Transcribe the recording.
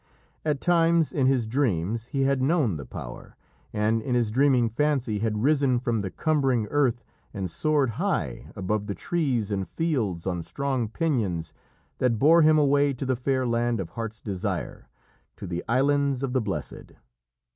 At times, in his dreams, he had known the power, and in his dreaming fancy had risen from the cumbering earth and soared high above the trees and fields on strong pinions that bore him away to the fair land of heart's desire to the Islands of the Blessed.